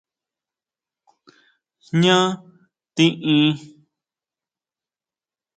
¿Jñá tiʼin?